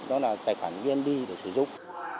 quản lý để sử dụng